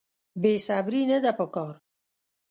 بې صبري نه ده په کار.